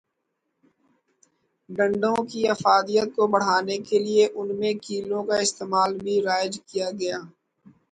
ڈنڈوں کی افادیت کو بڑھانے کیلئے ان میں کیلوں کا استعمال بھی رائج کیا گیا۔